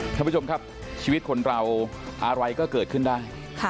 ท่านผู้ชมครับชีวิตคนเราอะไรก็เกิดขึ้นได้